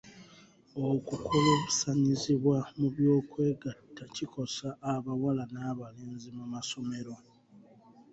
Okukuluusanyizibwa mu by'okwegatta kikosa abawala n'abalenzi mu masomero.